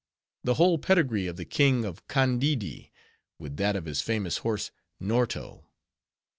"The whole Pedigree of the King of Kandidee, with that of his famous horse, Znorto."